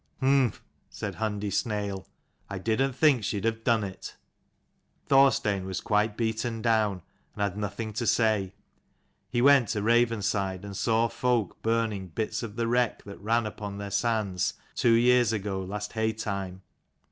"Humph," said Hundi Snail. "I did'nt think she'd have done it." Thorstein was quite beaten down, and had nothing to say. He went to Ravenside, and saw folk burning bits of the wreck that ran upon their sands two years ago last haytime.